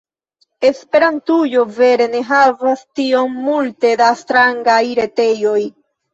Esperantujo vere ne havas tiom multe da strangaj retejoj.